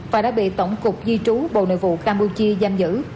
và đã bị tổng cục di trú bộ nội vụ campuchia giam giữ